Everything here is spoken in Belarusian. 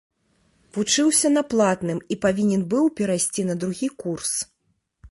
Вучыўся на платным і павінен быў перайсці на другі курс.